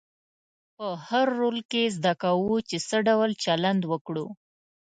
په هر رول کې زده کوو چې څه ډول چلند وکړو.